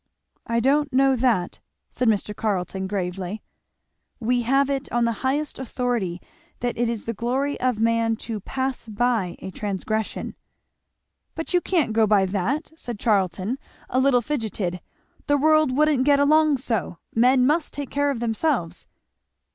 "I don't know that," said Mr. Carleton gravely. "We have it on the highest authority that it is the glory of man to pass by a transgression." "But you can't go by that," said Charlton a little fidgeted; "the world wouldn't get along so; men must take care of themselves."